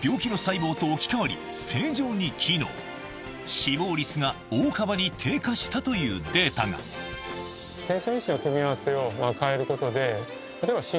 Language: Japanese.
死亡率が大幅に低下したというデータが今後。